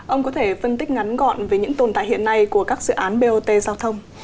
ông có thể phân tích ngắn gọn về những tồn tại hiện nay của các dự án bot giao thông